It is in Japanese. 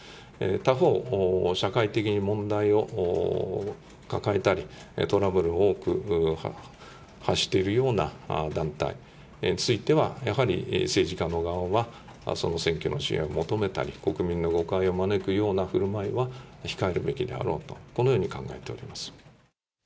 他方、社会的に問題を抱えたり、トラブルを多く発しているような団体については、やはり政治家の側は、その選挙の支援を求めたり、国民の誤解を招くようなふるまいは控えるべきであろうと、このように考えております。